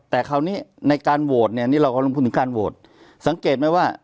แต่คราวนี้การโหวตสังเกตรไหมว่า